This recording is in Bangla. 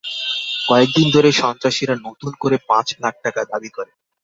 কয়েক দিন ধরে সন্ত্রাসীরা নতুন করে পাঁচ লাখ টাকা দাবি করে।